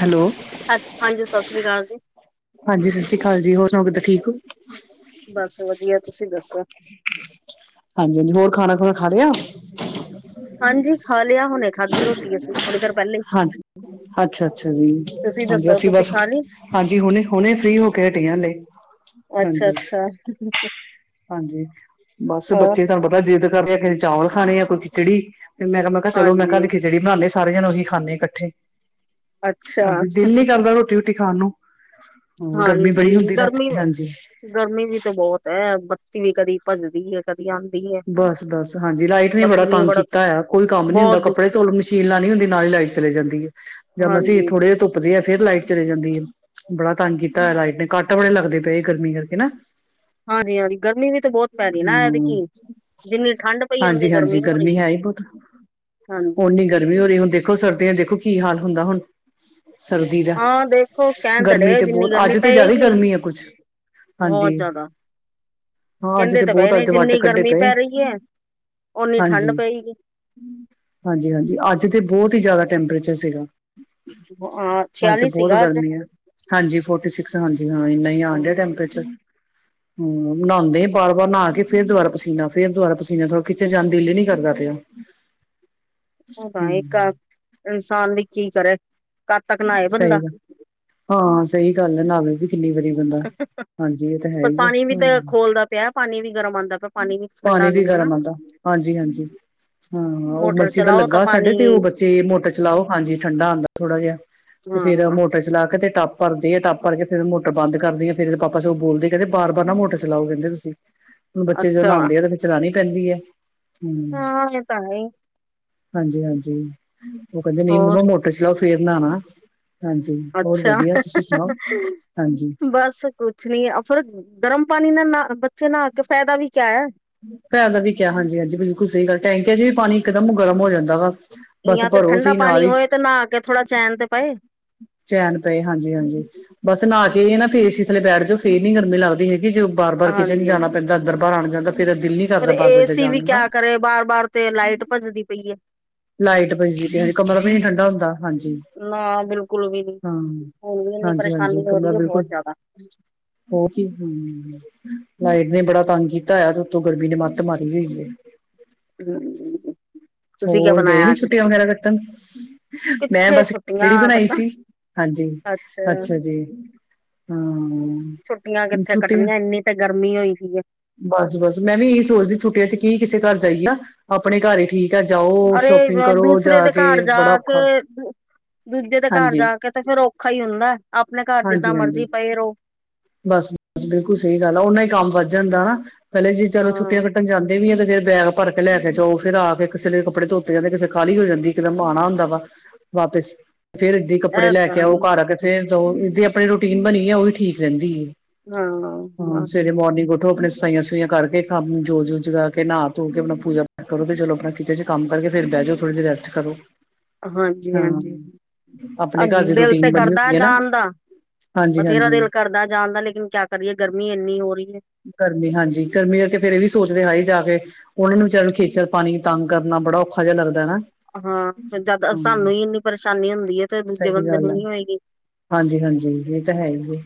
Hello ਹ ਹਾਂਜੀ, ਸਤਿ ਸ੍ਰੀ ਅਕਾਲ ਜੀ। ਹਾਂਜੀ ਸਤਿ ਸ੍ਰੀ ਅਕਾਲ ਜੀ। ਹੋਰ ਸੁਣਾਓ ਕਿੱਦਾਂ ਠੀਕ ਹੋ। ਬਸ ਵਧੀਆ ਤੁਸੀਂ ਦੱਸੋ ਹਾਂਜੀ ਹੋਰ ਖਾਣਾ ਖੁਣਾ ਖਾ ਲਿਆ। ਹਾਂਜੀ ਖਾ ਲਿਆ, ਹੁਣੇ ਖਾਧੀ ਰੋਟੀ ਅਸੀ ਥੋੜ੍ਹੀ ਦੇਰ ਪਹਿਲੇ ਹੀ ਹਾਂਜੀ ਅੱਛਾ -ਅੱਛਾ ਜੀ ਹਾਂਜੀ ਦੱਸੋ ਅਸੀਂ ਤੁਸੀਂ ਬਸ ਖਾ ਲਈ ਹਾਂਜੀ ਹੁਣੇ -ਹੁਣੇ। ਫ੍ਰਰੀ ਹੋ ਕੇ ਹਟੀ ਆਂ ਹਾਲੇ ਹਾਂਜੀ। ਸ ਹਾਂਜੀ, ਬਸ ਬੱਚੇ ਤੁਹਾਨੂੰ ਪਤਾ ਜਿੱਦ ਕਰਦੇ ਆ ਕਿਸੇ ਚੋਲ ਖਾਣੇ ਆ ਕੋਈ ਖਿਚੜੀ। ਫਿਰ ਮੈਂ ਕਿਹਾ ਚਲੋ ਮੈਂ ਕਿਹਾ ਹਾਂਜੀ ਅੱਜ ਖਿਚੜੀ ਬਣਾਉਦੇ ਸਾਰੇ ਜਾਣੇ ਉਹੀ ਖਾਂਦੇ ਇਕੱਠੇ। ਅੱਛਾ ਹਾਂਜੀ, ਦਿਲ ਨੀ ਕਰਦਾ ਰੋਟੀ ਰੂਟੀ ਖਾਣ ਨੂੰ ਹਮ ਗਰਮੀ ਬੜੀ ਹਾਂਜੀ ਹੁੰਦੀ ਗਰਮੀ ਰਾਤੀ ਹਾਂਜੀ ਗਰਮੀ ਵੀ ਤੇ ਬਹੁਤ, ਬੱਤੀ ਵੀ ਕਦੀ ਭੱਜਦੀ ਹੈ ਕਦੀ ਆਉਂਦੀ ਹੈ ਬਸ ਬਸ ਹਾਂਜੀ ਲਾਈਟ ਨੇ ਬੜਾ ਬੱਤੀ ਵੀ ਤੰਗ ਕੀਤਾ ਹੈ, ਕੋਈ ਕੰਮ ਨੀ ਹੁੰਦਾ ਬਹੁਤ ਦੁੱਖ ਕੱਪੜੇ ਧੋਣ ਮਸ਼ੀਨ ਲਾਈ ਹੁੰਦੀ ਨਾਲ ਹੀ ਲਾਈਟ- ਚਲੇ ਜਾਂਦੀ ਹੈ ਜਾਂ ਅਸੀਂ ਹਾਂਜੀ ਥੋੜੇ ਜਿਹੇ- ਵਧੀਆ ਫੇਰ ਲਾਈਟ ਚਲੇ ਜਾਂਦੀ ਹੈ, ਬੜਾ ਤੰਗ ਕੀਤਾ ਲਾਈਟ ਨੇ ਕੱਟ ਬੜੇ ਲੱਗਦੇ ਪਏ ਗਰਮੀ ਕਰਕੇ ਨਾ ਹਾਂਜੀ ਹਾਂਜੀ ਗਰਮੀ ਵਿੱਚ ਹਮ ਜਿੰਨੀ ਠੰਢ ਪਈ ਓਨੀ ਹਾਂਜੀ ਹਾਂਜੀ ਹੋ ਰਹੀ ਗਰਮੀ ਹੈ ਹੀ ਬਹੁਤ। ਹਾਂਜੀ ਉਹਨੀ ਹਾਂਜੀ ਗਰਮੀ ਹੋ ਰਹੀ ਹੁਣ ਦੇਖੋ ਸਰਦੀਆਂ ਦੇਖੋ ਕੀ ਹਾਲ ਹੁੰਦਾ ਹੁਣ। ਸਰਦੀ ਦਾ ਹਾਂ ਦੇਖੋ ਕਹਿਣ ਤਾਂ ਗਰਮੀ ਡੇ ਤੇ ਜਿੰਨੀ ਬਹੁਤ ਗਰਮੀ ਅੱਜ ਤੇ ਜ਼ਿਆਦਾ ਹੀ ਪਏਗੀ ਗਰਮੀ ਆ ਕੁਛ। ਹਾਂਜੀ ਬਹੁਤ ਜ਼ਿਆਦਾ। ਹਾਂ ਅੱਜ ਕਹਿੰਦੇ ਤੇ ਪਏ ਬਹੁਤ ਨੇ ਅੱਜ ਵੱਟ ਜਿੰਨੀ ਕੱਢੇ ਗਰਮੀ ਪਏ ਪੈ ਰਹੀ ਹੈ ਓਨੀ ਠੰਢ ਹਾਂਜੀ ਪਏਗੀ ਹਾਂਜੀ -ਹਾਂਜੀ ਅੱਜ ਤੇ ਬਹੁਤ ਹੀ ਜ਼ਿਆਦਾ ਟੈਂਪਰੇਚਰ ਸੀਗਾ। ਹ ਹਾਂ ਤੇ ਬਹੁਤ ਗਰਮੀ ਹੈ, ਹਾਂਜੀ ਫੋਰਟੀ ਸਿਕਸ ਹਾਂਜੀ ਹਾਂ ਇਨਾ ਹੀ ਆਉਣ ਦਿਆ ਟੈਂਪਰੇਚਰ। ਹਮ ਬਣਾਉਂਦੇ ਬਾਰ ਵਾਰ ਨਹਾ ਕੇ ਫ਼ਿਰ ਦੁਬਾਰਾ ਪਸੀਨਾ, ਫੇਰ ਦੁਬਾਰਾ ਪਸੀਨਾ ਥੋੜਾ ਕਿਤੇ ਜਾਣ ਨੂੰ ਦਿਲ ਹੀ ਨੀ ਕਰਦਾ ਪਿਆ ਉਹ ਤਾਂ ਇੱਕ ਹਮ ਇਨਸਾਨ ਦੀ ਕੀ ਕਰੇ ਕਦ ਤੱਕ ਨਹਾਏ ਸਹੀ ਬੰਦਾ ਗੱਲ ਹਾਂ ਸਹੀ ਗੱਲ ਹੈ ਨਾਵੇ ਵੀ ਕਿੰਨੀ ਵਾਰੀ ਬੰਦਾ, ਹਾਂਜੀ ਇਹ ਤਾਂ ਹੈ ਪਰ ਹੀ ਪਾਣੀ ਵੀ ਆ ਤੇ ਖੋਲਦਾ ਪਿਆ ਪਾਣੀ ਵੀ ਗਰਮ ਆਉਂਦਾ ਪਿਆ ਪਾਣੀ ਵੀ ਠੰਡਾ ਪਾਣੀ ਵੀ ਨਹੀਂ ਹੈ ਨਾ ਗਰਮ ਆਉਂਦਾ ਹਾਂਜੀ- ਹਾਂਜੀ। ਹਾਂ ਉਹ ਮੋਟਰ ਮਰਸੀਬਲ ਚਲਾਓ ਤਾਂ ਲੱਗਾ ਪਾਣੀ ਸਾਡੇ ਤੇ ਉਹ ਬੱਚੇ ਮੋਟਰ ਚਲਾਓ, ਹਾਂਜੀ ਠੰਡਾ ਆਉਂਦਾ ਥੋੜਾ ਜਿਹਾ ਤੇ ਫੇਰ ਹਾਂ ਮੋਟਰ ਚਲਾ ਕੇ ਤੇ ਟੱਪ ਭਰਦੀ ਆ ਟੱਪ ਭਰ ਕੇ ਫਿਰ ਮੋਟਰ ਬੰਦ ਕਰਦੀ ਆ ਫਿਰ ਇਹਦੇ ਪਾਪਾ ਸਗੋ ਉਹ ਬੋਲਦੇ ਕਹਿੰਦੇ ਬਾਰ ਬਾਰ ਨਾ ਮੋਟਰ ਚਲਾਓ ਕਿੰਹਣਦੇ ਤੁਸੀਂ। [unintelligible] ਹੁਣ ਬੱਚੇ ਜਦੋਂ ਨਹਾਉਂਦੇ ਆ ਉਹਦੇ ਫਿਰ ਚਲਾਉਣੀ ਪੈਂਦੀ ਹੈ ਹਮ। ਹਾਂ ਇਹ ਤਾਂ ਹੈ ਹੀ ਹਾਂਜੀ, ਹਾਂਜੀ ਉਹ ਕਹਿੰਦੇ ਨਹੀਂ ਹੋਰ ਮੰਮਾ ਮੋਟਰ ਚਲਾੳ ਫੇਰ ਨਾਣਾ ਅੱਛਾ ਸੁਣਾਓ ਹਾਂਜੀ ਬਸ ਕੁਛ ਨੀ ਫਿਰ ਗਰਮ ਪਾਣੀ ਨਾਲ ਨਾ ਬੱਚੇ ਨਾ ਕੇ ਫਾਇਦਾ ਵੀ ਕਿਆ ਹੈ। ਫੇਇਦਾ ਵੀ ਕਿਹਾ ਹਾਂਜੀ, ਹਾਂਜੀ ਬਿਲਕੁਲ ਸਹੀ ਗੱਲ ਟੈਂਕੀਆਂ ਚ ਵੀ ਪਾਣੀ ਇਕ ਦਮ ਗਰਮ ਹੋ ਜਾਂਦਾ ਵਾ। ਬਸ ਯਾ ਤੇ ਭਰੋ ਠੰਡਾ ਸਹੀ ਨਾਲ ਪਾਣੀ ਹੀ ਹੋਏ ਤੇ ਨਾ ਕੇ ਥੋੜਾ ਚੈਨ ਤੇ ਪਏ ਚੈਨ ਪਏ ਹਾਂਜੀ, ਹਾਂਜੀ ਬਸ ਨਾਹ ਕੇ ਨਾ ਫੇਰ ਏਸੀ ਥਲੇ ਬੈਠ ਜਾਓ ਫੇਰ ਨੀ ਗਰਮੀ ਲੱਗਦੀ ਹੈਗੀ। ਜੋ ਬਾਰ ਬਾਰ ਕਿਚਨ ਹਾਂਜੀ ਜਾਣਾ ਪੈਂਦਾ ਅੰਦਰ ਬਾਰ ਆਉਣ ਜਾਂਣ ਫਿਰ ਦਿੱਲੀ ਫਿਰ ਕਰਦਾ ਏਸੀ ਵੀ ਕਿਆ ਕਰੇ ਬਾਰ ਬਾਰ ਤੇ ਲਾਈਟ ਭੱਜਦੀ ਪਈ ਹੇ। ਲਾਈਟ ਭੱਜਦੀ ਪਈ ਹੇ ਹਾਏ ਕਮਰਾ ਵੀ ਨਹੀਂ ਠੰਡਾ ਹੁੰਦਾ ਹਾਂਜੀ। ਨਾ ਬਿਲਕੁਲ ਵੀ ਨਹੀ ਹਾਂ ਹੁਣ ਵੀ ਇੰਨੀ ਹਾਂਜੀ ਹਾਂਜੀ ਪਰੇਸ਼ਾਨੀ ਕਮਰਾ ਹੋਹੀ ਹੈ ਬਹੁਤ ਬਿਲਕੁਲ ਜ਼ਿਆਦਾ। ਹੋਰ ਕੀ ਹਮ ਲਾਈਟ ਨੇ ਬੜਾ ਤੰਗ ਕੀਤਾ ਹੋਇਆ ਤੇ ਉੱਤੋਂ ਗਰਮੀ ਨੇ ਮੱਤ ਮਾਰੀ ਹੋਈ ਹੈ। ਹਮ ਹੋਰ ਗਏ ਨੀ ਛੁੱਟੀਆਂ ਵਗੈਰਾ ਕੱਟਣ ਮੈਂ ਕਿੱਥੇ ਬਸ ਛੁੱਟੀਆਂ ਖਿਚੜੀ ਬਣਾਈ ਕੱਟਣ ਸੀ ਹਾਂਜੀ ਅੱਛਾ ਜੀ। ਹਾਂ ਛੁੱਟੀਆਂ ਕਿੱਥੇ ਕੱਟਣੀਆਂ ਇੰਨੀ ਤੇ ਗਰਮੀ ਹੋਈ ਦੀ ਹੈ। ਬਸ ਬਸ ਮੈਂ ਵੀ ਇਹੀ ਸੋਚਦੀ ਛੁੱਟੀਆਂ ਚ ਕੀ ਕਿਸੇ ਘਰ ਜਾਈਏ ਨਾ ਆਪਣੇ ਘਰ ਹੀ ਠੀਕ ਆ ਜਾਓ। ਅਰੇ ਸ਼ੋਪਿੰਗ ਕਰੋ ਜਾ ਦੂਸਰੇ ਦੇ ਕੇ ਘਰ ਜਾ ਬੜਾ ਔਖਾ ਕੇ ਦੂਜੇ ਦੇ ਘਰ ਜਾ ਕੇ ਕਿਤੇ ਫੇਰ ਔਖਾ ਹੀ ਹੁੰਦਾ ਆਪਣੇ ਘਰ ਜਿੱਦਾਂ ਹਾਂਜੀ-ਹਾਂਜੀ-ਹਾਂਜੀ ਮਰਜ਼ੀ ਪਏ ਰਹੋ। ਬਸ ਬਸ ਬਿਲਕੁਲ ਸਹੀ ਗੱਲ ਆ ਉਹਨਾ ਹੀ ਕੰਮ ਵੱਧ ਜਾਂਦਾ ਪਹਿਲੇ ਜੇ ਚਲੋ ਹਾਂ। ਛੁੱਟੀਆਂ ਕੱਟਣ ਜਾਂਦੇ ਇਹ ਵੀ ਆ ਤੇ ਫਿਰ ਬੈਗ ਭਰ ਕੇ ਲੈ ਕੇ ਜਾਓ ਫਿਰਰ ਆ ਕੇ ਕਿਸੇ ਕੱਪੜੇ ਧੋਤੇ ਜਾਂਦੇ ਕਿਸੇ ਕਾਲੀ ਹੋ ਜਾਂਦੀ ਇੱਕਦਮ ਆਣਾ ਹੁੰਦਾ ਵਾ। ਵਾਪਿਸ ਫਿਰ ਕੱਪੜੇ ਇਹ ਲੈ ਤਾਂ ਕੇ ਹੈ ਹੀ ਆਓ ਘਰ ਆ ਕੇ ਫੇਰ ਧੋਵੋ ਇਹਦੀ ਆਪਣੀ ਰੂਟੀਨ ਬਣੀ ਆ ਉਹੀ ਠੀਕ ਰਹਿੰਦੀ ਹੈ। ਹਾਂ ਹਾਂ ਬਸ ਸਵੇਰੇ ਮੋਰਨਿੰਗ ਉੱਠੋ ਆਪਣੇ ਸਫਾਈਆਂ ਕਰਕੇ ਕੰਮ ਜੋਤ- ਜੁਤ ਜਗਾ ਕੇ, ਨਹਾ ਧੋ ਕੇ ਆਪਣਾ ਪੂਜਾ ਪਾਠ ਕਰੋ ਤੇ ਚਲੋ ਆਪਣਾ ਕਿਚਨ ਚ ਕੰਮ ਕਰਕੇ ਫੇਰ ਬਹਿ ਜਾਓ। ਥੋੜ੍ਹੀ ਦੇਰ ਰੈਸਟ ਕਰੋ। ਹਾਂਜੀ ਹਾਂ -ਹਾਂਜੀ ਅ ਆਪਣੇ ਘਰ ਦੀ ਦਿਲ ਤੇ ਰੂਟੀਨ ਬਣੀ ਕਰਦਾ ਹੁੰਦੀ ਹੈ ਨਾ ਜਾਣ ਦਾ। ਹਾਂਜੀ ਬਥੇਰਾ ਹਾਂਜੀ ਦਿਲ ਕਰਦਾ ਜਾਣਦਾ ਲੇਕਿਨ ਕਿਆ ਕਰੀਏ ਗਰਮੀ ਇੰਨੀ ਹੋ ਰਹੀ ਹੈ। ਗਰਮੀ ਹਾਂਜੀ ਗਰਮੀ ਹੈ ਤੇ ਫਿਰ ਇਹ ਵੀ ਸੋਚਦੇ ਹੈ ਵੀ ਜਾ ਵੇ। ਉਹਨਾਂ ਨੂੰ ਵਿਚਾਰਿਆਂ ਨੂੰ ਖੇਚਲ ਪਾਣੀ ਤੰਗ ਕਰਨਾ ਬੜਾ ਔਖਾ ਜਿਹਾ ਲੱਗਦਾ ਹਨਾ। ਹਾਂ। ਫੇਰ ਜਦ ਸਾਨੂੰ ਇੰਨੀ ਪਰੇਸ਼ਾਨੀ ਹੁੰਦੀ ਹੈ। ਤੇ ਦੂਜੇ ਸਹੀ ਬੰਦੇ ਗੱਲ ਨੂੰ ਹੈ ਨੀ ਹੋਏਗੀ। ਹਾਂਜੀ -ਹਾਂਜੀ ਇਹ ਤਾਂ ਹੈ ਈ ਏ।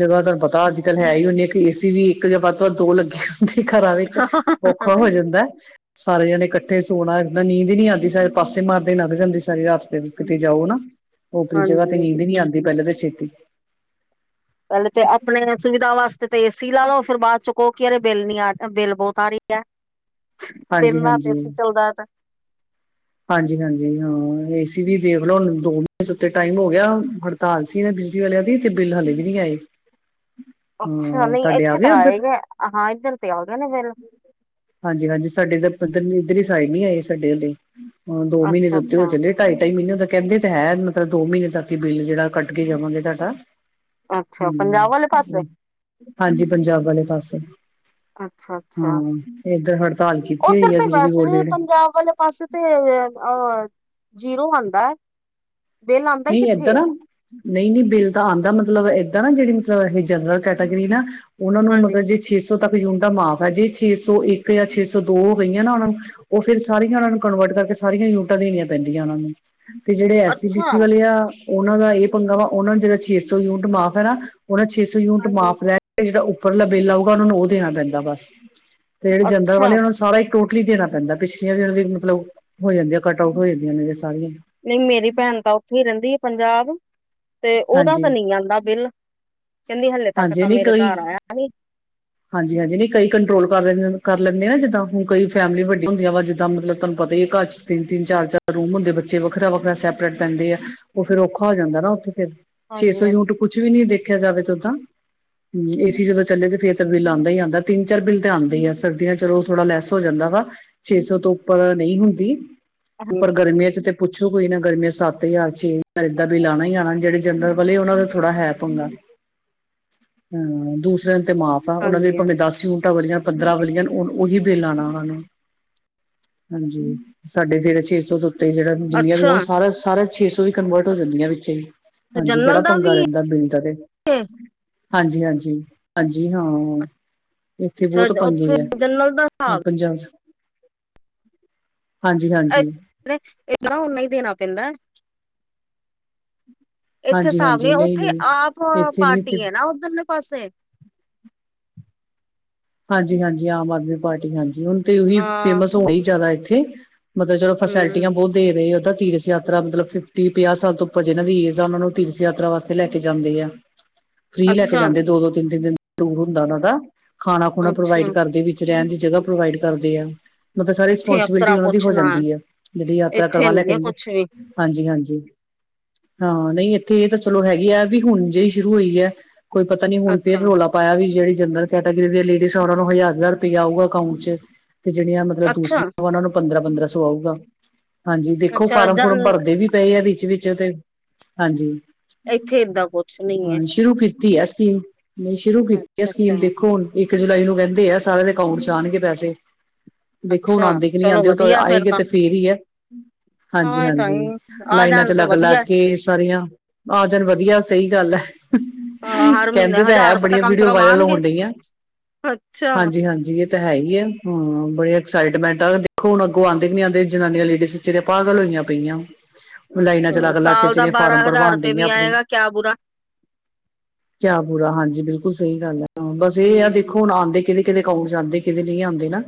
ਜਗ੍ਹਾ ਦਾ ਪਤਾ ਅੱਜ ਕੱਲ੍ਹ ਹੈ ਈ ਉਣੀ ਇੱਕ ਕੀ ਏਸੀ ਵੀ ਇੱਕ ਜਾਂ ਵੱਧ ਤੋਂ ਦੋ ਲੱਗੇ। ਘਰਾਂ ਵਿੱਚ ਔਖਾ ਹੋ ਜਾਂਦਾ। ਸਾਰੇ ਜਾਣੇ ਇਕੱਠੇ ਸੋਣਾ ਨਾ ਨੀਂਦ ਨੀ ਆਉਂਦੀ ਸ ਪਾਸੇ ਮਾਰਦੇ ਲੱਘ ਜਾਂਦੀ ਸਾਰੀ ਰਾਤ। ਫਿਰ ਵੀ ਕਿਤੇ ਜਾਓ ਨਾ ਉਪਰੀ ਜਗ੍ਹਾ ਤੇ ਹਾਂਜੀ ਨੀਂਦ ਨੀ ਆਉਂਦੀ ਪਹਿਲਾਂ ਤਾਂ ਛੇਤੀ ਪਹਿਲੇ ਤੇ ਆਪਣੇ ਸੁਵਿਧਾ ਵਾਸਤੇ ਕਿਤੇ ਤੇ ਏਸੀ ਲਾ ਲਓ ਫਿਰ ਬਾਅਦ ਚ ਕਹੋ ਕੇ ਰੇ ਬਿੱਲ ਨੀ ਆ ਬਿੱਲ ਬਹੁਤ ਆ ਰਹੀ ਹੈ। ਦਿਨ ਹਾਂਜੀ ਰਾਤ ਏਸੀ ਹਾਂਜੀ ਚੱਲਦਾ ਤਾਂ ਹਾਂਜੀ ਹਾਂਜੀ ਹਾਂ ਏਸੀ ਵੀ ਦੇਖਲਓ ਹੁਣ ਦੋ ਮਹੀਨੇ ਉੱਤੇ ਟਾਈਮ ਹੋ ਗਿਆ ਹ ਤਾਲ ਸੀ ਇਹਨਾਂ ਬਿਜਲੀ ਵਾਲਿਆਂ ਦੀ ਤੇ ਬਿੱਲ ਹਲੇ ਵੀ ਨਹੀਂ ਆਏ। ਅੱਛਾ ਹਾਂ ਨਹੀਂ ਤੁਹਾਡੇ ਆ ਇੱਥੇ ਤਾਂ ਆਏ ਉੱਧਰ ਗਏ ਹਾਂ ਇੱਧਰ ਤੇ ਆ ਗਏ ਨੇ ਬਿਲ ਹਾਂਜ-ਹਾਂਜੀ ਸਾਡੇ ਤਾਂ ਇੱਧਰ ਦੀ ਸਾਈਡ ਨੀ ਆਏ ਸਾਡੇ ਹਲੇ ਦੋ ਮਹੀਨੇ ਦੇ ਅੱਛਾ ਉੱਤੇ ਅੱਛਾ ਹੋ ਚੱਲੇ। ਢਾਈ-ਢਾਈ ਮਹੀਨੇ ਦਾ ਕਹਿੰਦੇ ਤਾਂ ਹੈ ਮਤਲਬ ਦੋ ਮਹੀਨੇ ਤੱਕ ਹੀ ਬਿੱਲ ਜਿਹੜਾ ਕੱਟ ਕੇ ਦਵਾਂਗੇ ਤੁਹਾਡਾ। ਅੱਛਾ। ਹਮ ਪੰਜਾਬ ਵਾਲੇ ਪਾਸੇ ਹਾਂਜੀ। ਪੰਜਾਬ ਵਾਲੇ ਪਾਸੇ ਅੱਛਾ- ਅੱਛਾ। ਹਾਂ ਇੱਧਰ ਹੜਤਾਲ ਕੀਤੀ। ਉੱਧਰ ਹੋਈ ਹੈ ਤਾਂ ਬਿਜਲੀ ਵੈਸੇ ਬੋਰਡ ਦੇ ਵੀ ਜਿਹੜੇ ਪੰਜਾਬ ਵਾਲੇ ਪਾਸੇ ਤੇ, ਅ, ਜੀਰੋ ਆਂਦਾ। ਨਹੀ ਐਧਰ ਨਹੀਂ- ਨਹੀਂ ਬਿੱਲ ਤਾਂ ਆਉਂਦਾ। ਮਤਲਬ ਏਦਾਂ ਨਾ ਜਿਹੜੀ ਮਤਲਬ ਇਹ ਜਨਰਲ ਕੈਟਾਗਰੀ ਨਾ ਉਹਨਾਂ ਨੂੰ ਹਾਂਜੀ, ਮਤਲਬ ਜੇ ਛੇ ਸੌ ਤੱਕ ਯੂਨਿਟਾ ਮਾਫ਼ ਹੈ। ਜੇ ਛੇ ਸੌ ਇੱਕ ਜਾਂ ਛੇ ਸੌ ਦੋ ਹੋ ਗਈਆਂ ਨਾ ਉਹਨਾ ਨੂੰ ਉਹ ਫੇਰ ਸਾਰੀਆਂ ਉਹਨਾਂ ਨੂੰ ਕਨਵਰਟ ਕਰਕੇ ਸਾਰੀਆਂ ਯੂਨਿਟਾਂ ਦੇਣੀਆਂ ਪੈਂਦੀਆਂ ਉਹਨਾਂ ਨੂੰ। ਤੇ ਜਿਹੜੇ ਐਸ ਸੀ ਅੱਛਾ, ਬੀ-ਸੀ ਉਹਨਾਂ ਦਾ ਇਹ ਪੰਗਾ ਵਾ ਉਹਨਾ ਨੂੰ ਜੇੜਾ ਛੇ ਸੌ ਯੂਨਿਟ ਮਾਫ਼ ਹੈ ਨਾ।। ਓਹਨਾ ਛੇ ਸੌ ਯੂਨਿਟ ਹਾਂਜੀ। ਮਾਫ਼ ਰਹਿਣ। ਤੇ ਜੇੜਾ ਉਪਰਲਾ ਬਿੱਲ ਆਊਗਾ ਓਹਨਾ ਨੂੰ ਓਹ ਦੇਣਾ ਪੈਂਦਾ ਬਸ ਤੇ ਜਨਰਲ਼ ਅੱਛਾ, ਵਾਲਿਆਂ ਨੂੰ ਸਾਰਾ ਈ ਟੋਟਲ਼ ਲੀ ਦੇਣਾ ਪੈਂਦਾ। ਪਿਛਲੀਆਂ ਵੀ ਉਹਨਾਂ ਦੀ ਮਤਲਬ ਹੋ ਜਾਂਦੀ ਹੈ ਕੱਟ ਆਊਟ ਹੋ ਜਾਂਦੀਆਂ ਨੇ ਸਾਰੀਆਂ ਨਹੀਂ ਮੇਰੀ ਭੈਣ ਤਾਂ ਉੱਥੇ ਹੀ ਰਹਿੰਦੀ ਆ ਪੰਜਾਬ। ਤੇ ਉਹਦਾ ਤਾਂ ਹਾਂਜੀ ਨਹੀਂ ਆਂਦਾ ਬਿੱਲ। ਕਹਿੰਦੀ ਹਲੇ ਤੱਕ ਹਾਂਜੀ ਤਾਂ ਨਹੀਂ ਮੇਰੇ ਕਈ ਘਰ ਆਇਆ ਨੀ। ਹਾਂਜੀ- ਹਾਂਜੀ ਨਹੀਂ ਕਈ ਕੰਟਰੋਲ ਕਰ ਕਰ ਲੈਂਦੇ ਨੇ ਨਾ ਜਿੱਦਾਂ, ਹੁਣ ਕਈ ਫੈਮਲੀਆਂ ਵੱਡੀਆਂ ਹੁੰਦੀਆਂ ਵਾ। ਜਿੱਦਾਂ ਮਤਲਬ ਤੁਹਾਨੂੰ ਪਤਾ ਹੈ ਘਰ ਚ ਤਿੰਨ- ਤਿੰਨ, ਚਾਰ- ਚਾਰ ਰੂਮ ਹੁੰਦੇ ਬੱਚੇ ਵੱਖਰਾ -ਵੱਖਰਾ ਸੈਪਰੇਟ ਪੈਂਦੇ ਆ। ਉਹ ਫੇਰ ਔਖਾ ਹੋ ਜਾਂਦਾ ਨਾ ਉੱਥੇ ਫਿਰ ਛੇ ਸੌ ਹਾਂਜੀ-ਹਾਂਜੀ, ਯੂਨਿਟ ਕੁਛ ਵੀ ਨੀ ਦੇਖਿਆ ਜਾਵੇ ਤਾਂ ਉਦਾਂ। ਹਮ ਏ ਸੀ ਜਦੋਂ ਚੱਲੇ ਤੇ ਫੇਰ ਬਿੱਲ ਆਉਂਦਾ ਹੀ ਆਉਂਦਾ। ਤਿੰਨ ਚਾਰ ਬਿੱਲ ਆਂਦਾ ਹੀ ਆ। ਸਰਦੀਆਂ ਚੋਂ ਥੋੜਾ ਲੈਸ ਹੋ ਜਾਂਦਾ ਵਾ। ਛੇ ਸੌ ਤੋਂ ਉੱਪਰ ਨਹੀਂ ਹੁੰਦੀ। ਤੇ ਪਰ ਗਰਮੀਆਂ ਚ ਤੇ ਪੁੱਛੋ ਕੋਈ ਨਾ ਗਰਮੀਆਂ ਸੱਤ ਹਜ਼ਾਰ, ਛੇ ਹਜ਼ਾਰ ਏਦਾਂ ਬਿੱਲ ਆਣਾ ਈ ਆਣਾ ਜੇੜੀ ਜਰਨਲ ਵਾਲੇ ਉਹਨਾਂ ਨੂੰ ਥੋੜਾ ਹੈ ਪੰਗਾ। ਹਮ। ਦੂਸਰਿਆਂ ਨੂੰ ਤੇ ਮਾਫ਼ ਉਹਨਾਂ ਦੇ ਭਾਵੇਂ ਹਾਂਜੀ-ਹਾਂਜੀ। ਦਸ ਯੂਨਟਾਂ ਬਲਿਆਂ ਪੰਦਰਾਂ ਬਲੀਆਂ ਓਹ। ਉਹੀ ਬਿੱਲ ਆਣਾ ਉਹਨਾਂ ਨੂੰ। ਹਾਂਜੀ ਸਾਡੇ ਫੇਰ ਛੇ ਸੌ ਤੋਂ ਉੱਤੇ ਜਿਹੜਾ ਜਿੰਨੀਆਂ ਵੀ ਅੱਛਾ, ਉਹ ਸਾਰਾ- ਸਾਰਾ ਛੇ ਸੌ ਵੀ ਕਨਵਰਟ ਹੋ ਜਾਂਦੀਆਂ ਵਿਚੇ ਈ। ਹਾਂਜੀ। ਬੜਾ ਜਨਰਲ ਦਾ ਪੰਗਾ ਵੀ ਰਹਿੰਦਾ ਬਿੱਲ ਦਾ ਤੇ। ਹੈ? ਹਾਂਜੀ -ਹਾਂਜੀ -ਹਾਂਜੀ। ਹਾਂ। ਇੱਥੇ ਅੱਛਾ ਬਹੁਤ ਪੰਗੇ ਉੱਥੇ ਹੈ। ਜਨਰਲ ਦਾ ਐਹ ਹਿਸਾਬ ਪੰਜਾਬ ਹਾਂਜੀ- ਹਾਂਜੀ। [unintelligible] ਉੰਨਾ ਹੀਂ ਦੇਣਾ ਪੈਂਦਾ। ਇੱਥੇ ਹਾਂਜੀ ਹਿਸਾਬ ਹਾਂਜੀ ਨੀ ਨਹੀਂ ਉੱਥੇ ਆਮ ਨਹੀਂ ਇੱਥੇ ਨੀ ਪਾਰਟੀ ਇੱਥੇ ਹੈ ਨਾ ਉਧਰਲੇ ਪਾਸੇ ਹਾਂਜੀ -ਹਾਂਜੀ ਆਮ ਆਦਮੀ ਪਾਰਟੀ ਹਾਂਜੀ। ਹੁਣ ਤੇ ਉਹੀ ਹਾਂ। ਫੇਮਸ ਹੋ ਰਹੀ ਜ਼ਿਆਦਾ ਇੱਥੇ ਮਤਲਬ ਚਲੋ ਫੈਸਿਲਿਟੀਆਂ ਹੂੰ, ਬਹੁਤ ਦੇ ਰਹੇ ਉਦਾ ਤੇ ਯਾਤਰਾ ਮਤਲਬ ਫਿਫਟੀ ਪੰਜਾਹ ਸਾਲ ਤੋਂ ਉੱਪਰ ਜਿਹਨਾਂ ਦੀ ਏਜ ਆ। ਉਹਨਾ ਨੂੰ ਤੀਰਥ ਯਾਤਰਾ ਵਾਸਤੇ ਲੈ ਕੇ ਜਾਂਦੇ ਆ। ਫ੍ਰਰੀ ਲੈ ਕੇ ਜਾਂਦੇ ਅੱਛਾ-ਅੱਛਾ, ਦੋ- ਦੋ, ਤਿੰਨ- ਤਿੰਨ ਦਿਨ ਟੂਰ ਹੁੰਦਾ ਉਹਨਾਂ ਦਾ ਖਾਣਾ- ਖੁਣਾ ਪ੍ਰੋਵਾਈਡ ਕਰਦੇ ਨੇ। ਰਹਿਣ ਦੀ ਜਗ੍ਹਾ ਪ੍ਰੋਵਾਈਡ ਕਰਦੇ ਆ। ਮਤਲਬ ਸਾਰੀ ਇੱਥੇ ਰਿਸਪੋਂਸੀਬਿਲਿਟੀ ਅਪਤਰਾ ਉਹਨਾਂ ਦੀ ਕੁਛ ਹੋ ਨਾ। ਜਾਂਦੀ ਹੈ ਜਿਹੜੀ ਯਾਤਰਾ ਇੱਥੇ ਕਰਵਾ ਲਿਆ ਨੀ ਹੈ ਕਹਿੰਦੇ ਕੁਛ ਵੀ ਹਾਂਜੀ ਹਾਂਜੀ ਹਾਂ ਨਹੀਂ ਇੱਥੇ ਇਹ ਤਾਂ ਚਲੋ ਹੈਗੀ ਆ ਵੀ ਹੁਣ ਜਿਹੀ ਸ਼ੁਰੂ ਹੋਈ ਹੈ ਕੋਈ ਪਤਾ ਨੀ ਹੁ ਫਿਰ ਅੱਛਾ, ਰੌਲਾ ਪਾਇਆ ਵੀ ਜਿਹੜੇ ਜਨਰਲ ਕੈਟਾਗਰੀ ਦੀਆਂ ਲੇਡੀਜ਼ ਉਹਨਾਂ ਨੂੰ ਹਜ਼ਾਰ ਹਜ਼ਾਰ ਰੁਪਇਆ ਆਊਗਾ ਅਕਾਊਟ ਚ ਤੇ ਜਿਹੜੀਆਂ ਅੱਛਾ, ਦੂਸਰੀਆਂ ਉਹਨਾਂ ਨੂੰ ਪੰਦਰਾਂ ਪੰਦਰਾਂ ਸੌ ਆਊਗਾ ਹਾਂਜੀ ਦੇਖੋ ਅੱਛਾ ਫਾਰਮ ਜਨ ਫੁਰਮ ਭਰਦੇ ਵੀ ਪਏ ਆ ਵਿੱਚ ਵਿਚ ਤੇ ਹਾਂਜੀ ਇੱਥੇ ਏਦਾਂ ਕੁਛ ਨੀ ਹੈ ਹਾਂ ਸ਼ੁਰੂ ਕੀਤਾ ਕੀਤੀ ਆ ਸਕੀਮ ਨੇ ਸ਼ੁਰੂ ਕੀਤੀ ਆ ਅੱਛਾ-ਅੱਛਾ, ਸਕੀਮ ਤੇ। ਹੁਣ ਇੱਕ ਜੁਲਾਈ ਨੂੰ ਕਹਿੰਦੇ ਆ ਸਾਰਿਆਂ ਦੇ ਅਕਾਊਂਟ ਚ ਆਣਗੇ ਪੈਸੇ। ਅੱਛਾ ਦੇਖੋ ਹੁਣ ਅੱਛਾ ਆਂਦੇ ਕੇ ਨੀ ਚਲੋ ਆਂਦੇ ਉਹ ਤੇ ਵਧੀਆ ਆਏ ਗੇ ਤਾਂ ਤੇ ਫੇਰ ਹੀ ਹੈ, ਹਾਂਜੀ- ਹਾਂ ਇਹ ਤਾਂ ਹਾਂਜੀ ਹੀ ਆ ਲਾਈਨਾਂ ਚ ਜਾਣ ਤਾਂ ਲੱਗ- ਲੱਗ ਵਧੀਆ ਕੇ ਸਾਰੀਆਂ ਆ ਜਾਣ ਵਧੀਆ, ਸਹੀ ਗੱਲ ਹੈ। ਹਾਂ ਹਰ ਮਹੀਨੇ ਕਹਿੰਦੇ ਤਾਂ ਹੈ ਹਜ਼ਾਰ ਰੁਪਏ ਬੜੀਆਂ ਕਮ ਸੇ ਵੀਡੀਓ ਕਮ ਵਾਇਰਲ ਆਣਗੇ ਹੋਣ ਡਈਆਂ। [unintelligible] ਹਾਂਜੀ-ਹਾਂਜੀ ਇਹ। ਹੈ ਹੀ ਹੈ ਹਮ ਬੜੇ ਐਕਸਾਈਟਮੈਂਟ ਆ ਦੇਖੋ ਹੁਣ ਅੱਗੋਂ ਆਂਦੇ ਕੇ ਨੀ ਆਂਦੇ ਜਨਾਨੀਆਂ ਲੇਡੀਜ਼ ਜੇੜੇ ਪਾਗਲ ਹੋਈਆਂ ਪਈਆਂ। ਓਹ ਲਾਈਨਾਂ ਅੱਛਾ ਚ ਲਾਗ ਲਾਗ ਕੇ ਸਾਲ ਦਾ ਜੇੜੀਆਂ ਫਾਰਮ ਬਾਰਾਂ ਹਜ਼ਾਰ ਭਰਵਾਉਣ ਰੁਪਏ ਦੀਆਂ ਵੀ ਆਪਣੇ। ਆਏਗਾ ਕਿਆ ਬੁਰਾ ਕਿਆ ਬੁਰਾ ਹਾਂਜੀ ਬਿਲਕੁਲ ਸਹੀ ਗੱਲ ਹੈ ਆ ਦੇਖੋ ਹੂੰ ਹੁਣ ਆਉਂਦੇ ਕਿਤੇ ਕਿਦੇ ਅਕਾਊਟ ਚ ਆਉਂਦੇ ਕਿਤੇ ਨਹੀਂ ਆਉਂਦੇ ਨਾ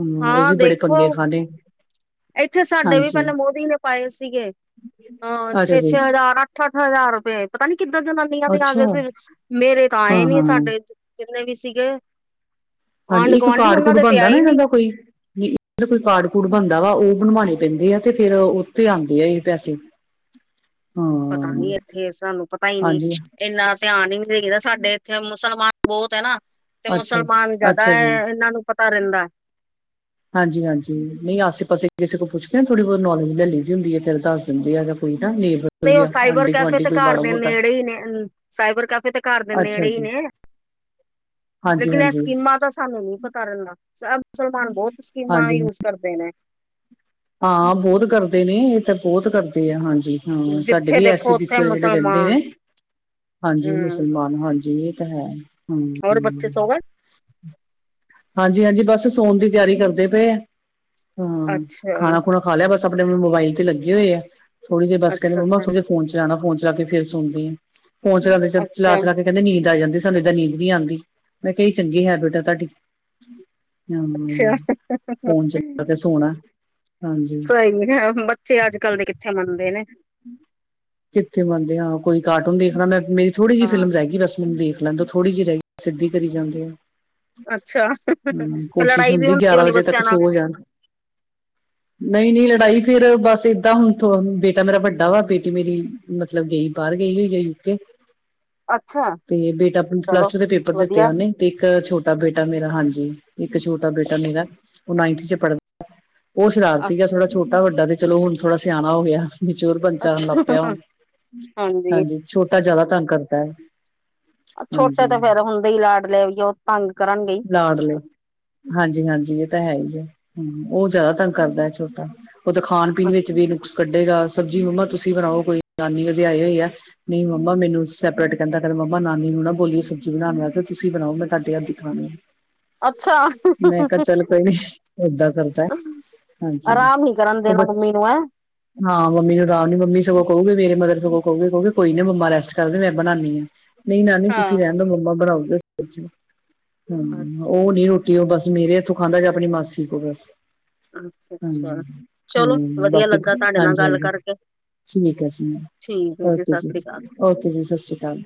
ਹਮ ਇਹ ਵੀ ਹਾਂ ਬੜੇ ਦੇਖੋ ਪੰਗੇ ਖਾਣੇ ਇੱਥੇ ਸਾਡੇ ਵੀ ਹਾਂਜੀ ਪਹਿਲਾਂ ਮੋਦੀ ਨੇ ਪਾਏ ਸੀਗੇ ਅਹ ਅੱਛਾ ਛੇ ਜੀ ਛੇ ਹਜ਼ਾਰ ਅੱਠ ਹਜ਼ਾਰ ਰੁਪਏ ਪਤਾ ਨੀ ਕਿਦਾ ਜਨਾਨੀਆਂ ਦੇ ਆ ਅੱਛਾ ਗਏ ਸੀ ਮੇਰੇ ਤਾਂ ਆਏ ਨੀ ਹਾਂ-ਹਾਂ ਸਾਡੇ ਜਿੰਨੇ ਵੀ ਸੀਗੇ ਹਾਂਜੀ ਆਂਢ ਇੱਕ ਗੁਆਂਢੀ ਕਾਰਡ ਉਹਨਾਂ ਕੂਡ ਦੇ ਤੇ ਬਣਦਾ ਨਾ ਆਏ ਇਹਨਾਂ ਨੀ ਦਾ ਕੋਈ ਜ ਕੋਈ ਕਾਰਡ ਕੂਡ ਬਣਦਾ ਵਾ ਉਹ ਬਣਵਾਉਣੇ ਪੈਂਦੇ ਆ ਤੇ ਫੇਿਰ ਉੱਥੇ ਆਉਂਦੇ ਆ ਇਹ ਪੈਸੇ ਪਤਾ ਹਾਂ ਨੀ ਇੱਥੇ ਸਾਨੂੰ ਪਤਾ ਹੀ ਨਹੀਂ ਹਾਂਜੀ ਇੰਨਾ ਧਿਆਨ ਹੀ ਨ ਦੇਹੀਦਾ ਸਾਡੇ ਇੱਥੇ ਮੁਸਲਮਾਨ ਬਹੁਤ ਹੈ ਨਾ ਤੇ ਅੱਛਾ ਮੁਸਲਮਾਨ ਜਿਆਦਾ ਅੱਛਾ ਜੀ ਇਹਨਾਂ ਨੂੰ ਪਤਾ ਰਹਿੰਦਾ ਹਾਂਜੀ ਹਾਂਜੀ ਨਹੀਂ ਆਸੇ ਪਾਸੇ ਕਿਸੇ ਕੋ ਪੁੱਛ ਕੇ ਥੋੜ੍ਹੀ ਬਹੁਤ ਨੌਲੇਜ ਲੈ ਲਈ ਦੀ ਹੁੰਦੀ ਹੈ ਫੇਿਰ ਦੱਸ ਦਿੰਦੇ ਆ ਜਾਂ ਕੋਈ ਨਾ ਨੇਬਰ ਨਹੀਂ ਕੋਈ ਉਹ ਆ ਸਾਈਬਰ ਆਂਢੀ ਕੈਫੇ ਗੁਆਂਢੀ ਤੇ ਕੋਈ ਘਰ ਮਾੜਾ ਦੇ ਮੋਟਾ ਨੇੜੇ ਹੀ ਨੇ ਸਾਈਬਰ ਕੈਫੇ ਤੇ ਘਰ ਦੇ ਨੇੜੇ ਅੱਛਾ ਹੀ ਜੀ ਨੇ ਹਾਂਜੀ ਲੇਕਿਨ ਇਹ ਹਾਂਜੀ ਸਕੀਮਾਂ ਤਾਂ ਸਾਨੂੰ ਨੀ ਪਤਾ ਰਹਿੰਦਾ ਮੁਸਲਮਾਨ ਬਹੁਤ ਸਕੀਮਾਂ ਹਾਂਜੀ ਯੂਜ ਕਰਦੇ ਨੇ ਹਾਂ ਬਹੁਤ ਕਰਦੇ ਨੇ ਇਹ ਤਾਂ ਬਹੁਤ ਕਰਦੇ ਆ ਹਾਂਜੀ ਹਾਂ ਸਾਡੇ ਜਿੱਥੇ ਵੀ ਦੇਖੋ ਐਸੀ ਬਸ ਉੱਥੇ ਜਿਹੜੇ ਰਹਿੰਦੇ ਮੁਸਲਮਾਨ ਨੇ ਹਾਂਜੀ ਹਮ ਮੁਸਲਮਾਨ ਹਾਂਜੀ ਇਹ ਤਾਂ ਹੈ ਹਮ ਹੋਰ ਬੱਚੇ ਸੌਂ ਗਏ ਹਾਂਜੀ ਹਾਂਜੀ ਬਸ ਸੋਣ ਦੀ ਤਿਆਰੀ ਕਰਦੇ ਪਏ ਆ ਹਾਂ ਅੱਛਾ ਖਾਣਾ ਖੁਣਾ ਖਾ ਲਿਆ ਬਸ ਆਪਣੇ ਮੋਬਾਈਲ ਤੇ ਲੱਗੇ ਹੋਏ ਆ ਥੋੜੇ ਜਿਹੇ ਬਸ ਕਹਿੰਦੇ ਅੱਛਾ ਮਮਾ ਅੱਛਾ ਥੋੜਾ ਜਿਹਾ ਫੋਨ ਚਲਾਉਣਾ ਫੋਨ ਚਲਾ ਕੇ ਫਿਰ ਸੁਣਦੇ ਹ ਆ ਫੋਨ ਚਲਾਉਂ ਚਲਾ ਅੱਛਾ ਚਲਾ ਕੇ ਕਹਿੰਦੇ ਨੀਂਦ ਆ ਜਾਂਦੀ ਸਾਨੂੰ ਏਦਾਂ ਨੀਦ ਨੀ ਆਉਂ ਮੈਂ ਕਿਹਾ ਚੰਗੀ ਹੈਬਿਟ ਆ ਤੁਹਾਡੀ ਹਮ ਅੱਛਾ ਫੋਨ ਚਲਾ ਕੇ ਸੋਣਾ ਹਾਂਜੀ ਸਹੀ ਨ ਹੈ ਬੱਚੇ ਅੱਜ ਕੱਲ੍ਹ ਦੇ ਕਿੱਥੇ ਮੰਨਦੇ ਨੇ ਕਿੱਥ ਮੰਨਦੇ ਹਾਂ ਕੋਈ ਕਾਰਟੂਨ ਦੇਖਣਾ ਮੈਂ ਮੇਰੀ ਥੋੜ੍ਹੀ ਜਿਹੀ ਹਾਂ ਫਿਲਮ ਰਗੀ ਬਸਮਨ ਦੀ ਲੈਂਦਾ ਥੋੜੀ ਜਿਹੀ ਰਗੀ ਸਿੱਧੀ ਜਾਂਦੇ ਆ ਅੱਛਾ ਹਮ ਫਿਰ ਕੋਸ਼ਿਸ਼ ਲੜਾਈ ਵੀ ਹੁੰਦੀ ਗਿਆਰਾਂ ਹੋਣੀ ਵਜੇ ਤੱਕ ਬੱਚਿਆਂ ਨਾਲ ਸੋ ਜਾਣ ਨਹੀਂ ਨਹੀਂ ਲੜਾਈ ਫੇਿਰ ਬਸ ਏਦਾਂ ਹੁਣ ਬੇਟਾ ਮੇਰਾ ਵੱਡਾ ਵਾ ਬੇ ਕਿ ਮੇਰੀ ਮਤਲਬ ਗਈ ਬਾਹਰ ਗਈ ਹੋਈ ਆ ਯੂਕੇ ਅੱਛਾ ਤੇ ਬੇਟਾ ਆਪ ਪਲੱਸ ਚਲੋ ਟੂ ਦੇ ਪੇਪਰ ਦਿੱਤੇ ਵਧੀਆ ਉਹਨੇ ਤੇ ਇੱਕ ਛੋਟਾ ਬੇਟਾ ਮੇਰਾ ਹਾਂਜੀ ਇੱਕ ਛੋਟਾ ਬੇਟਾ ਮੇਰਾ ਉਹ ਨਾਈਨਥ ਚ ਪੜ੍ਹਦਾ ਉਹ ਅ ਸ਼ਰਾਰਤੀ ਆ ਥੋੜਾ ਛੋਟਾ ਵੱਡਾ ਤੇ ਚਲੋ ਹੁਣ ਥੋੜਾ ਸਿਆਣਾ ਹੋ ਗਿਆ ਮਚਰ ਬਚਾ ਲੱ ਅੱਛਾ ਪਿਆ ਹਾਂਜੀ ਛੋਟਾ ਜਿਆਦਾ ਤੰਗ ਕਰਦਾ ਹੈ ਛੋਟੇ ਹਾਂਜੀ ਤਾਂ ਫੇਰ ਹੁੰਦੇ ਹੀ ਲਾਡਲੇ ਲਿਆ ਵੀਏ ਉਹ ਤੰਗ ਕਰਨਗੇਈ ਲੜ ਲ ਹਾਂਜੀ ਹਾਂਜੀ ਇਹ ਤਾਂ ਹੈ ਹੀ ਹੈ ਹ ਉਹ ਜ਼ਿਆਦਾ ਤੰਗ ਕਰਦਾ ਹੈ ਛੋਟਾ ਉਹ ਤਾਂ ਖਾਣ ਪੀਣ ਵਿੱਚ ਵੀ ਨੁਕਸ ਕੱਢੇਗਾ ਸਬਜ਼ੀ ਮੰਮਾ ਤੁਸੀਂ ਬਣਾਓ ਕੋਈ ਨਾਨੀ ਉਹਦੇ ਆਏ ਹੋ ਹੀ ਹੈ ਨਹੀਂ ਮਮਾ ਮਨੂੰ ਸੈਪਰੇਟ ਕਹਿੰਦਾ ਕਹਿੰਦੇਮਾ ਨਾਨੀ ਨੂੰ ਨਾ ਬੋਲੀ ਸਬੀ ਬਣਾਉਣਾ ਵਾ ਫਿਰ ਤੁਸੀਂ ਬਣਾਓ ਮੈਂ ਤੁਹਾਡੇ ਹੱਦੀ ਖਾਉਣੀ ਅੱਛਾ ਨਹੀਂ ਕ ਚੱਲ ਕੋਈ ਨ ਦਾਂ ਚਦਾ ਹੈ ਹਾਂਜੀ ਆਰਾਮ ਨੀ ਕਰਨ ਉਹ ਬ ਦੇਣਾ ਮੰਮੀ ਨੂੰ ਹੈ ਹਾਂ ਮੰਮੀ ਨੂੰ ਰਾਮ ਨੀ ਮੰਮੀ ਉਹ ਸਗੋਂ ਕਹੂਗੀ ਨਹੀਂ ਮੇਰੀ ਮਦਰ ਰੈਸਟ ਕਰ ਰਹੇ ਮੈਂ ਬਣਾ ਦਿੰਨੀ ਆ ਨਹੀਂ ਨਾਨੀ ਤੁਸੀਂ ਰਹਿਣ ਹਾਂ ਦ ਮੰਮਾ ਬਣਾਉਗੇ ਹਮ ਅੱਛਾ ਉਹ ਨੀ ਰੋਟੀ ਤੇ ਉਹ ਬਸ ਮੇਰੇ ਹੱਥੋਂ ਖਾਂਦਾ ਜਾਂ ਆਪਣੀ ਮਾਸੀ ਕੋਲ ਬਸ ਅੱਛਾ ਹ ਅੱਛਾ ਚਲੋ ਹਮ ਵਧੀਆ ਬਾਕੀ ਲੱਗਾ ਤੁਹਾਡੇ ਨਾਲ ਹਾਂਜੀ ਗੱਲ ਹਾਂਜੀ ਕਰਕੇ ਠੀਕ ਹੈ ਜੀ ਮੈ ਠੀਕ ਹੈ ਓਕੇ ਸਤਿ ਜੀ ਸ੍ਰੀ ਅਕਾਲ ਓਕੇ ਜੀ ਸਤਿ ਸ਼੍ਰੀ ਅਕਾਲ